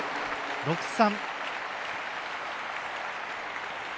６−３。